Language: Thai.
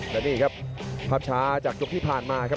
และนี่ครับภาพช้าจากยกที่ผ่านมาครับ